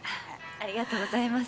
ありがとうございます。